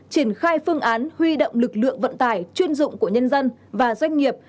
triển khai phương án huy động lực lượng vận tải chuyên dụng của nhân dân và doanh nghiệp